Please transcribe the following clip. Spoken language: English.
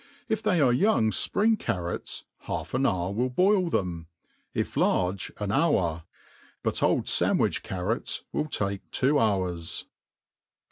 If they are young fprihg catrots, half an hour will boil them $ if large, an hotor $ but old Sandwich carrots will take two hours, 2 r# I.